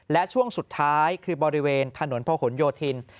และช่วงสุดท้ายคือบริเวณถนนพระหลโยธิน